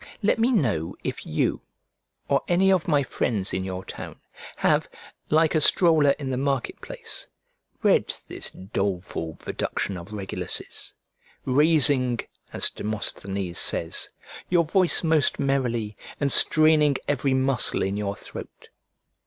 Let me know if you, or any of my friends in your town, have, like a stroller in the marketplace, read this doleful production of Regulus's, "raising," as Demosthenes says, "your voice most merrily, and straining every muscle in your throat."